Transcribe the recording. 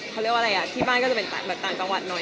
เขาเรียกว่าอะไรอ่ะที่บ้านก็จะเป็นแบบต่างจังหวัดหน่อย